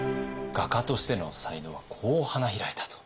画家としての才能はこう花開いたと。